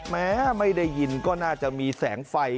แม้ไม่ได้ยินก็น่าจะมีแสงไฟ